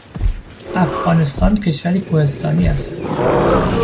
افغانستان کشوری کوهستانی است.